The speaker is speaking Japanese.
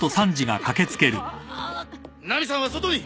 ナミさんは外に。